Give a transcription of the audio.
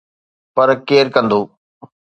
پر ڪير ڪندو؟